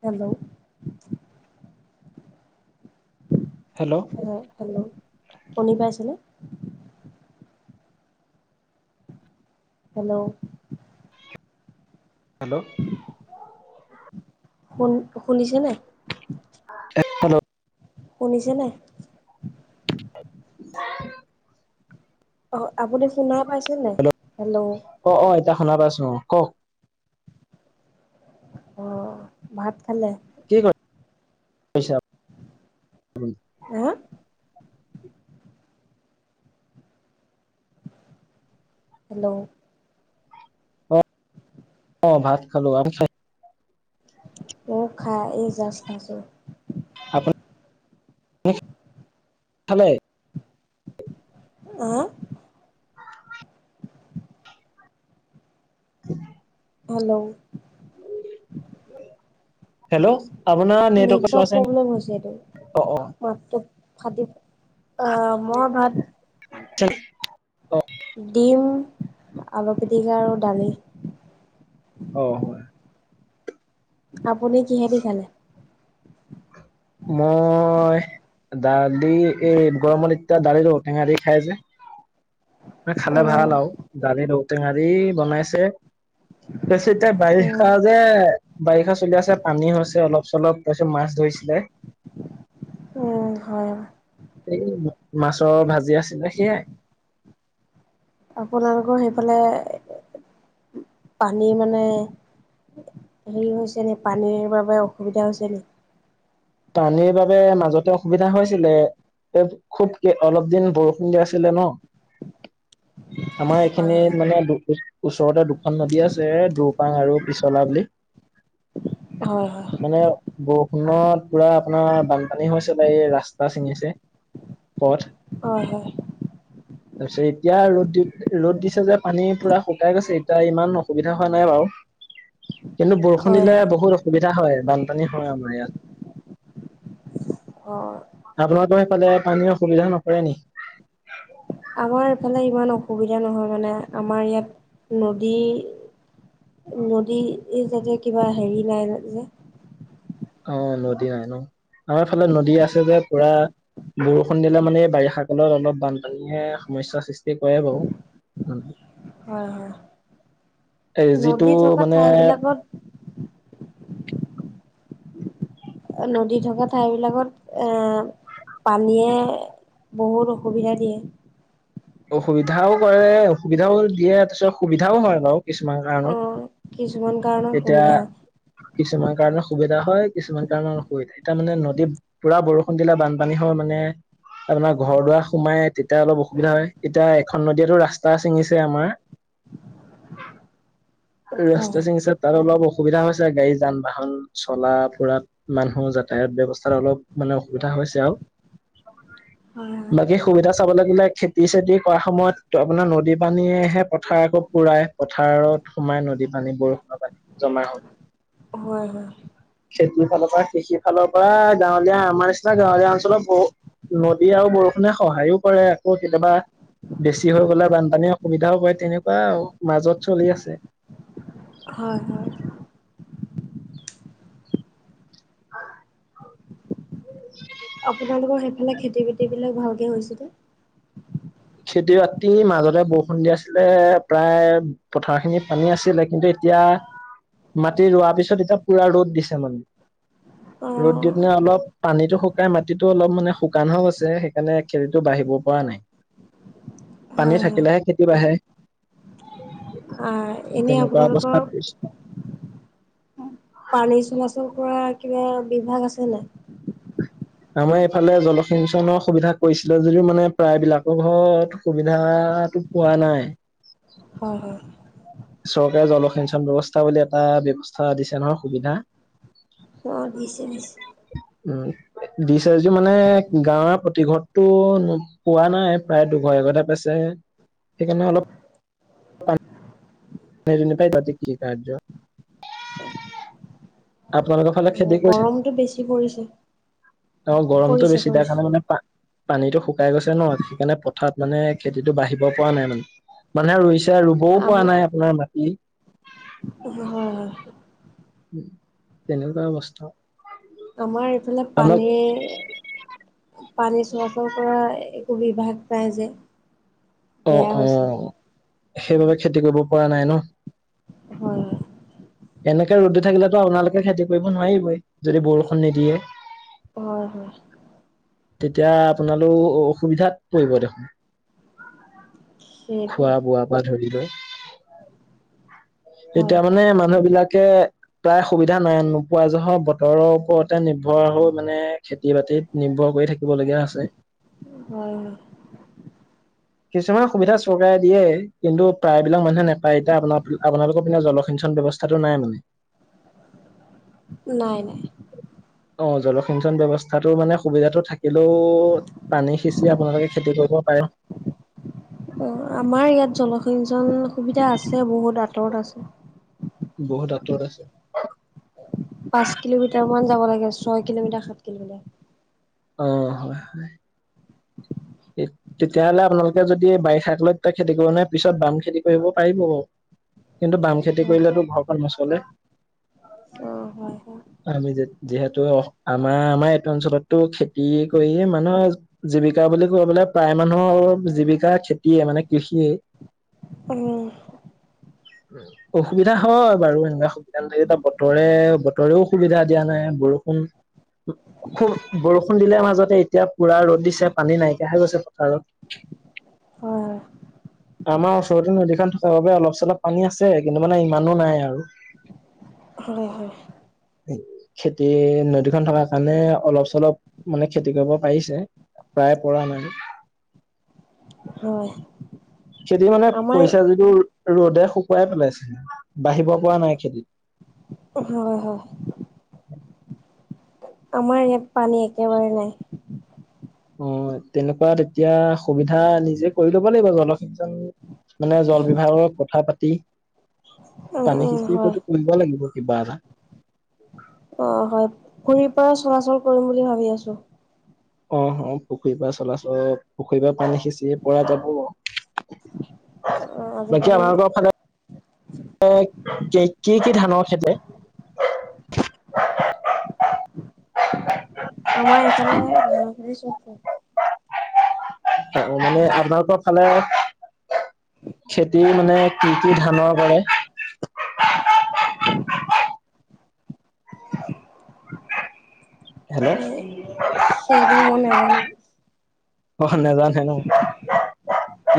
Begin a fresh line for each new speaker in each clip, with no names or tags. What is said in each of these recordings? Hello hello hello শুনি পাইছেনে? Hello
hello
শুন শুনিছেনে?
এ হেল্ল
শুনিছেনে?
[unintelligible]
অ আপুনি শুনাই পাইছে নাই?
অ অ এতিয়া শুনা পাইছো কওক
অ ভাত খালে?
কি কৰিছা‌ আপুনি?
হা হেল্ল'
অ অ ভাত খালো। আপুনি খাই
মই খাই ই জাজ খাইছোঁ।
[unintelligible]
অহ
[unintelligible]
হেল্ল'
[unintelligible] হেল্ল' আপোনাৰ নেটৱৰ্ক চোৱা ছিনি অ অ
খাদিব আহ মই ভাত
অ
ডিম আলু পিটিকা আৰু দালি।
অ হয়।
আপুনি কিহে দি খালে?
মই। দালি এই গৰম এতিয়া দালি টেঙা দি খাই যে। খালে
উম,
ভাল আৰু দালি ঔটেঙা দি বনাইছে। তছতিয়া
উম,
বাৰিষা যে। বাৰিষা চলি আছে পানী হৈছে অলপ চলপ তাৰপিত মাছ ধৰিছিলে।
উম হয়।
এই মাছৰ ভাজি আছিলে সেয়াই।
আপোনালোকৰ সেইফালে পানী মানে। হেৰি হৈছে নে পানীৰ বাবে অসুবিধা হৈছে নে।
পানীৰ বাবে মাজতে অসুবিধা হৈছিলে। খুব অলপ দিন বৰষুণ দি আছিলে ন। আমাৰ
হয়
এইখিনিত মানে দু ওচৰতে দুখন নদী আছে দু- পাং আৰু পিছলা বুলি
হয়
মানে বৰষুণত পুৰা আপোনাৰ বানপানী হৈছে বা এই ৰাস্তা ছিঙিছে পথ
হয় হয়
তাৰপিছত এতিয়া ৰ'দ দি ৰ'দ দিছে যে পানী পুৰা শুকাই গৈছে এতিয়া ইমান অসুবিধা হোৱা নাই বাৰু। [inaudible] কিন্তু বৰষুণ
হয়
দিলে
হয়
বহুত অসুবিধা হয়, বানপানী হয় আমাৰ ইয়াত।
অঁ।
আপোনাৰো সেইফালে পানীৰ অসুবিধা নকৰে নেকি?
আমাৰ এইফালে ইমান অসুবিধা নহয় মানে আমাৰ ইয়াত নদী। নদী যাতে কিবা হেৰি নাই যে।
অ' নদী নাই ন আমাৰ ফালে নদী আছে যে পুৰা। বৰষুণ দিলে মানে বাৰিষা কালত অলপ বানপানীয়ে সমস্যাৰ সৃষ্টি কৰে বাৰু। উম।
হয় হয়।
এই যিটো
নদী থকা
মানে।
ঠাইবিলাকত নদী থকা ঠাই বিলাকত এ। পানীয়ে বহুত অসুবিধা দিয়ে।
অসুবিধাও কৰে অসুবিধাও দিয়ে তাৰপিছত সুবিধাও হয় বাৰু। কিছুমান কাৰণতহে,
অঁ কিছুমান কাৰণত
এতিয়া
সুবিধা
কিছুমান কাৰণে। সুবিধা হয়, কিছুমান কাৰণৰ অসুবিধা এতিয়া মানে নদীত পুৰা বৰষুণ দিলে বানপানী হয় মানে। আপোনাৰ ঘৰ দুৱাৰ সোমাই তেতিয়া অলপ অসুবিধা হয়। এতিয়া এখন নদীয়েতো ৰাস্তা ছিঙিছে আমাৰ।
হয়
ৰাস্তা চিঙিচে তাৰ অলপ। অসুবিধা হৈছে গাড়ী যান বাহন চলা ফুৰাত মানুহ যাতায়াত ব্যৱস্থাত অলপ মানে অসুবিধা। এটা হৈছে আৰু।
হয়। হয়
বাকী সুবিধা চাব লাগিলে খেতি চেতি কৰা সময়ত আপোনাৰ নদী পানীয়েহে পথাৰ আকৌ পুৰা। পথাৰত সোমাই নদী পানী বৰষুণৰ পানী জমা হয়।
হয় হয়।
খেতিৰ ফালৰ পৰা কৃষিৰ ফালৰ পৰা গাঁৱলীয়া আমাৰ নিচিনা গাঁৱলীয়া অঞ্চলত বহুত। নদী আৰু বৰষুণে সহায়ো কৰে আকৌ কেতিয়াবা। বেছি হৈ গলে বানপানী অসুবিধাও হয়, তেনেকুৱা মাজত চলি আছে।
হয় হয়। আপোনালোকৰ সেইফালে খেতি বাতি বিলাক ভালকে হৈছে নে?
খেতি বাতিৰ মাজতে বৰষুণ দি আছিলে প্ৰায় পথাৰ খিনি পানী আছিলে কিন্তু। এতিয়া মাটি ৰোৱাৰ পিছত এতিয়া পুৰা ৰ'দ দিছে মানে। ৰ'দ দি
অ',
পিনে অলপ পানীতটো শুকাই মাটিতটো অলপ মানে শুকান হয় গৈছে সেইকাৰণে খেতিটো বাঢ়িব পৰা নাই পানী
হয়, হয়।
থাকিলেহে খেতি বাঢ়ে
আহ, এনে
তেনেকুৱা
আপোনালোকৰ
অৱস্থাত পৰিছো
পানী চলাচল কৰা কিবা বিভাগ আছে নাই।
আমাৰ এইফালে জলসিঞ্চনৰ সুবিধা কৰিছিলে যদিও মানে প্ৰায়বলাকৰ ঘৰত সুবিধা। টো পোৱা নাই।
হয়, হয়।
চৰকাৰে জলসিঞ্চন ব্যৱস্থা বুলি এটা ব্যৱস্থা দিছে নহয় সুবিধা।
অঁ দিছে দিছে
উম। দিছে যি মানে গাঁৱৰ প্ৰতিঘৰতটো পোৱা নাই প্ৰায় দুঘৰ এঘৰ পাইছে। সেইকাৰণে অলপ। [unintelligible] আপোনালোকৰ ফালে। খেদি
অ',
কৈছে
গৰমটো বেছি পৰিছে,
অ গৰমটো
কৰিছে,
বেছি দোৰ
কৰিছে।
কাৰণে মানে পা। পানীতটো শুকাই গৈছে ন, সেইকাৰণে পথাৰত মানে খেতিটো বাঢ়িব পৰা নাই মানে মানুহে ইছে। এতিয়া ৰুবও
আম
পৰা নাই আপোনাৰ মাটি।
হয়, হয়।
তেনেকুৱা অৱস্থা।
আমাৰ এইফালে
আমাক
পানী পানী চোৱা চল কৰা। সুবিধা ভাস নাই যে।
অ
বেয়া
অ
হৈছে।
সেইবাবে খেতি কৰিব পৰা নাই ন।
হয় হয়।
এনেকে ৰদ থাকিলেতো আপোনালোকে খেতি কৰিব নোৱাৰিবই যদি বৰষুণ নিদিয়ে।
হয় হয়।
তেতিয়া আপোনালোক অসুবিধাত পৰিব দেখোন।
সেইটোৱে।
খোৱা বোৱা পৰা ধৰি লৈ।
হয়,
এতিয়া মানে মানুহ বিলাকে। প্ৰায় সুবিধা নাই নোপোৱাহ বতৰৰ ওপৰতে নিৰ্ভৰ মানে খেতি বাতিত নিৰ্ভৰ। কৰি থাকিব লগীয়া আছে।
হয় হয়।
কিছুমান সুবিধা চৰকাৰে দিয়ে কিন্তু প্ৰায়বিলাক মানুহে নাপায় এতিয়া আপোনাৰ আপোনালোকৰ পিনে জল জলসিঞ্চন। ব্যৱস্থাটো নাই মানে।
নাই নাই।
অ জলসিঞ্চন ব্যৱস্থাটো মানে সুবিধাতটো থাকিলেও পানী সিচি আপোনালোকে খেতি কৰি। ব পাৰে।
অ আমাৰ ইয়াত জলসিঞ্চন সুবিধা আছে বহুত আঁতৰত আছে।
বহুত আঁতৰত আছে।
পাঁচ কিলোমিটাৰ মান যাব লাগে ছয় কিলোমিটাৰ সাত কিলোমিটাৰ।
অ হয় হয়। তেতিয়াহ'লে আপোনালোকে যদি বাৰিষা‌ কালত খেতি কৰিব নোৱাৰে পিছত বাম খেতি কৰিব পাৰিব। কিন্তু বাম খেতি
হয়
কৰিলেটো ঘৰখন নছলে।
অ' হয় হয়
আমি যিহেতু আমাৰ আমাৰ এইটো অঞ্চলত। টো খেতি কৰিয়ে মানুহৰ জীৱিকা বুলি ক'ব গলে প্ৰায় মানুহৰ জীৱিকা খেতিয় মান। মানে কৃষিয়ে।
উম।
[inaudible] অসুবিধা হয় বাৰু এনেকুৱা সুবিধা নাথাকে যেতিয়া বতৰে বতৰেও সুবিধা দিয়া নাই বৰষ। ষুণ খুব। বৰষুণ দিলে মাজতে এতিয়া পুৰা ৰ'দ দিছে পানী নাইকিয়া হৈ গৈছে পথাৰত। [inaudible]
হয়
আমাৰ ওচৰতে নদীখন থকাৰ বাবে অলপ চলপ পানী আছে কিন্তু মানে ইমানো নাই আৰু। [inaudible]
হয় হয়।
খেতি নদীখন থকাৰ কাৰণে অলপ -চলপ মানে খেতি কৰিব পাৰিছে। প্ৰায়ে পৰা নাইতো।
হয়।
খেতি মানে
আমাৰ
পইচা যিটো ৰ'দে শুকুৱাই পেলাইছিল, বাঢ়িব পৰা নাই খেতি।
হয় হয়।
উম [inaudible]
আমাৰ ইয়াত পানী একেবাৰে নাই।
উম তেনেকুৱা তেতিয়া সুবিধা নিজে কৰি লব লাগিব জলসিঞ্চন মানে জল বিভাগৰ কথা পাতি
উম
পানী
উম
সিচি
হয়
হয়টো কৰিব লাগিব কিবা এটা
অ হয় পুখুৰীৰ পৰা চলাচল কৰিম বুলি ভাবি আছো
অহ অহ, পুখুৰীৰ পৰা চলাচল পুখুৰীৰ পৰা পানী সিঁচি পৰা যাব।
অ।
বাকী
আজিকালি
আমালোকৰ ফালে এ, কি কি কি ধানৰ খেতি? অ অ অ [inaudible]
আমাৰ এইফালে ধাননিৰ চব [inaudible]
মানে আপোনালোকৰ ফালে খেতি মানে কি কি ধানৰ কৰে? হেল্ল'!
সেইটো মই নেজানো।
অহ নেজানে ন।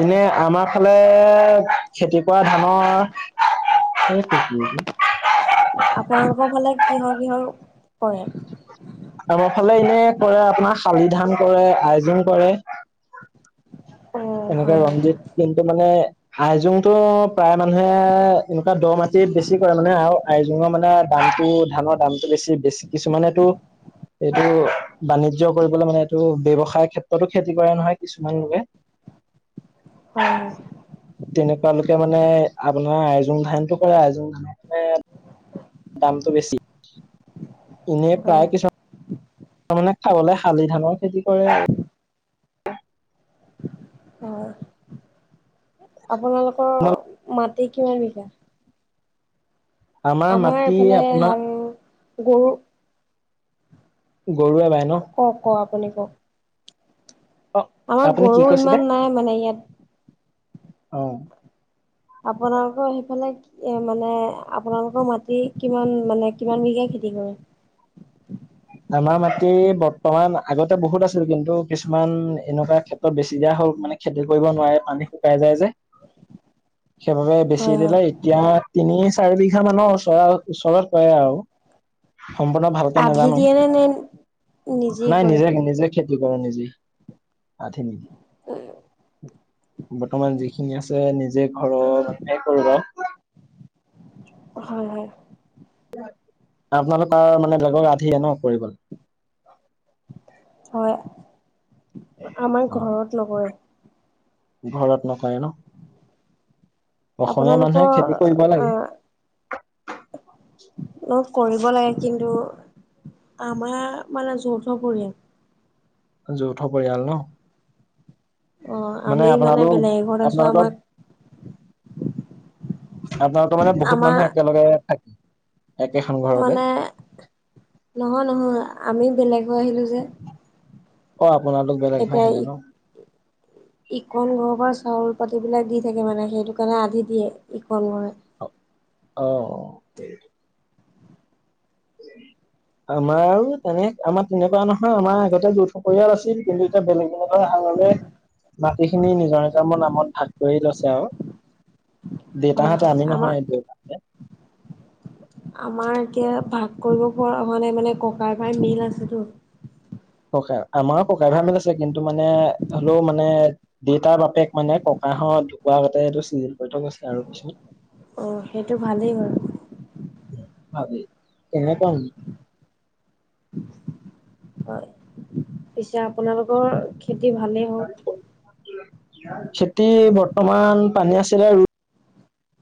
এনে আমাৰ ফালে খেতি কৰা ধানৰ সেইটো কি?
আপোনালোকৰ ফালে কিহৰ কিহৰ কৰে?
আমাৰ ফালে ইনে কৰে আপোনাৰ শালি ধান কৰে, আইজং কৰে।
অ'
এনেকে
হয় হয়
ৰঞ্জিত কি টো মানে আইজোংটো প্ৰায় মানুহে এনেকুৱা দ মাটিত বেছি কৰে মানে আৰু আইজোং মানে দামটো ধানৰ দামটো বেছি বেছি কিছুমানেতো এইটো বাণিজ্য কৰিবলৈ মানে এইটো ব্যৱসায় ক্ষেত্ৰতো খেতি কৰে নহয় কিছুমান লোকে।
হয় হয়
তেনেকুৱা লোকে মানে আপোনাৰ আইজুং ধানটো কৰে আইজুং ধান মানে দামটো বেছি। ইনে
হয়
প্ৰায় কিছু ত মানে খাবলৈ শালি ধানৰ খেতি কৰে আৰু।
হয় আপোনালোকৰ মাটি কিমান বিঘা? আমাৰ
মাটি
এইফালে
আপোনাৰ
হাল গৰু
গৰুৱে বায়।
কওক ক আপুনি কওক?
অ
আমাৰ
আপুনি কি
গৰু ইমান নাই মানে ইয়াত
অঁ।
আপোনালোকৰ সেইফালে কি এ মানে আপোনালোকৰ মাটি কিমান মানে কিমান বিঘা খেতি কৰে?
[inaudible] আমাৰ মাটি বৰ্তমান আগতে বহুত আছিল কিন্তু কিছুমান এনেকুৱা ক্ষেত্ৰত বেছি দিয়া হ'ল মান মান খেতি কৰিব নোৱাৰে পানী শুকাই যায় যে, সেইবাবে বেচি
হয় হয়
দিলে এতিয়া তিনি -চাৰি বিঘা মানৰ ওচ ওচৰত কৰে আৰু সম্পূৰ্ণ ভালকে
আধি
নাজানো।
দিয়ে নে নে নিজেই
নাই
কৰে?
নিজে নিজে খেতি কৰে নিজেই আঠে নেকি?
উম।
বৰ্তমান যিখিনি আছে নিজে ঘৰহে কৰো বাও
হয় হয়
আপোনালোকৰ মানে বেলেগৰ আন্ধিয়ে ন কৰিব
হয় আমাৰ
অ
ঘৰত লগৰে।
ঘৰত নকৰে ন। অসমীয়া মানুহে খেতি কৰিব
আপোনালোকৰ
লাগে
অহ কৰিব লাগে কিন্তু আমাৰ মানে যৌথ পৰিয়াল।
যৌথ পৰিয়াল ন।
অ
মানে
আমি
আপোনালোক
বেলেগ এঘৰত আছো আমাক
আপোনালোকৰ আপোনালোকৰ মানে বহুত
আমাৰ
মানুহ একেলগে থাকে।
মানে নহয় নহয় আমি বেলেগ হৈ আহিলো যে।
অঁ আপোনালোক বেলেগ হয় আহিলে ন।
ইকন ঘৰৰ পৰা চাউল পাতি বিলাক দি থাকে মানে সেইটো কাৰণে আধি দিয়ে ইকন ঘৰে।
অ অ। উ [inaudible] আমাৰো তেনে আমাৰ তেনেকোৱা নহয় আমাৰ আগতে যৌথ পৰিয়াল আছিল, কিন্তু এতিয়া বেলেগ বেলেগ হৈ মাটিখিনি নিজৰ নিজৰ মোৰ নামত ভাগ কৰি লৈছে আৰু।
হয় হয়
দেউতাহঁতে আন্ধি
আমাৰ
নহয় দেউতাহঁতে
আমাৰ এতিয়া ভাগ কৰিব পৰা হোৱা নাই মানে ককাই ভাই মিল আছেতো।
ককাই আমাৰো ককাই ভাই মিল আছে কিন্তু মানে হ'লেও মানে দেউতাৰ বাপেক মানে ককাহত ঢুকুৱা আগতে এইটো চিজিল কৰি থৈ গৈছে আৰু পিছত
অহ সেইটো ভালেই বাৰু
ভালেই কেনেকোৱা নু।
হয় পিছে আপোনালোকৰ খেতি ভালেই হওক
খেতি বৰ্তমান পানী আছিলে আৰু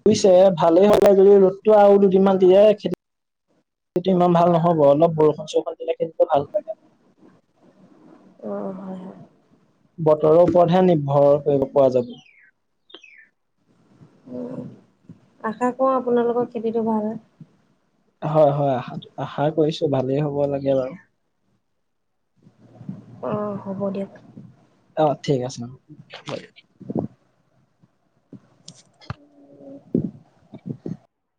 বুজিছে ভালেই হল যদি ৰ'দটো আৰু দুদিনমান দিয়ে খেতি টো ইমান ভাল নহব অলপ বৰষুণ চৰষুণ দিলে খেতিটো ভাল হয়নে
অ হয় হয়
বতৰৰ ওপৰতহে নিৰ্ভৰ কৰিব পোৱা যাব।
আশা কৰো আপোনালোকৰ খেতিটো ভাল হয়।
হয় হয় আশা আশা কৰিছো ভালেই হ'ব লাগে বাৰু।
অ হ'ব দিয়ক।
অ ঠিক আছে।
উ